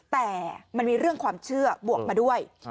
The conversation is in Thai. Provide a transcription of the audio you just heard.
แต่มันมีเรื่องความเชื่อบวกมาด้วย